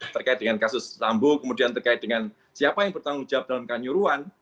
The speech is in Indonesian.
terkait dengan kasus sambu kemudian terkait dengan siapa yang bertanggung jawab dalam kanyuruan